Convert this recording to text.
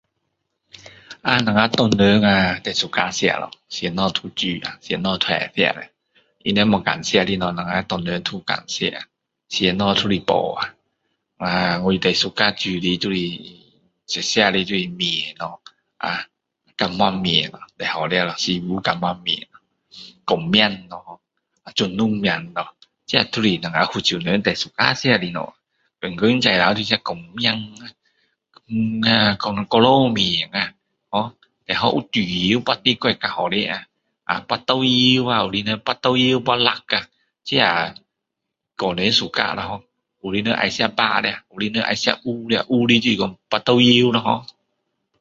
啊我们华人啊最喜欢吃咯什么都煮啊什么都会吃他们不敢吃的东西我们华人都敢吃啊什么都是宝啊啊我最喜欢煮的就是食物就是面咯干盘面咯最好吃的诗巫干盘面光饼咯正东饼咯这都是我们福州人最喜欢吃的东西天天早上就是吃光饼哥罗面啊ho最好有猪油捞的更好吃啊捞酱油啊有些人捞酱油捞辣啊这个人喜欢啦ho有些人要吃白的有的人要吃黑的啊黑的就是说捞酱油咯ho